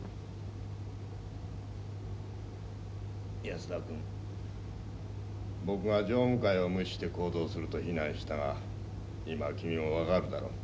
安田君僕が常務会を無視して行動すると非難したが今は君も分かるだろ？